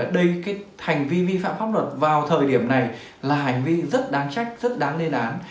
đây hành vi vi phạm pháp luật vào thời điểm này là hành vi rất đáng trách rất đáng lê đán